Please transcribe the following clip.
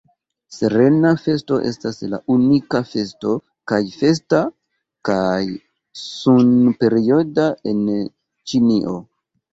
Serena Festo estas la unika festo kaj festa kaj sun-perioda en Ĉinio.